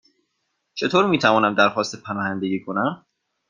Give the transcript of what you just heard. چطور می توانم درخواست پناهندگی کنم؟